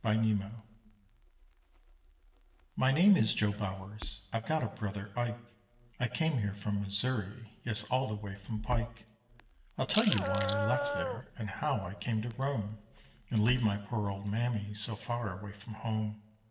JOE BOWERS My name is Joe Bowers, I've got a brother Ike, I came here from Missouri, Yes, all the way from Pike. I'll tell you why I left there And how I came to roam, And leave my poor old mammy, So far away from home.